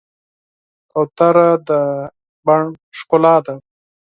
کوتره د بڼ ښکلا ده.